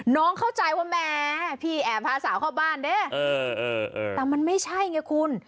เข้าใจว่าแหมพี่แอบพาสาวเข้าบ้านเด้แต่มันไม่ใช่ไงคุณ